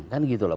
kan gitu loh